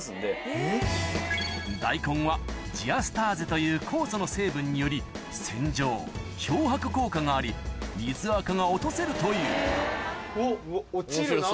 大根はジアスターゼという酵素の成分により洗浄漂白効果があり水あかが落とせるという落ちるな。